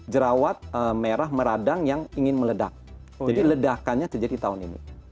jerawat merah meradang yang ingin meledak jadi ledakannya terjadi tahun ini